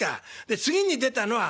次に出たのは『春雨』」。